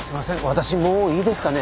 私もういいですかね？